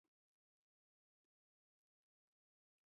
ځوانانو چې پانګه نه لرله کاروبار یې پیل کولای شو